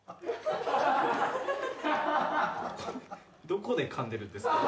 どこでかんでるんですか？